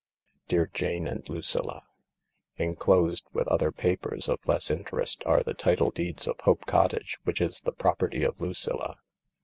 11 Dear Jane and Lucilla, " Enclosed with other papers of less interest are the title deeds of Hope Cottage, which is the property of Lucilla.